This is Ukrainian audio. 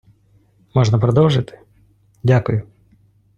Можна продовжити? Дякую.